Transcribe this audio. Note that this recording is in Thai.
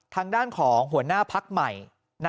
ทางด้านของหัวหน้าพักใหม่